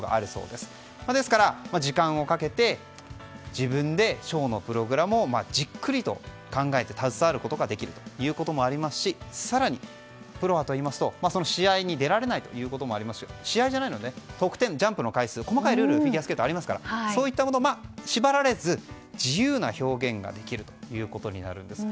ですから、時間をかけて自分でショーのプログラムをじっくりと考えて携わることができるというのもありますし更に、プロは試合に出られないこともありますし、試合じゃないので得点やジャンプの回数などフィギュアスケートはありますがそれに縛られず自由な表現ができるということになるんです。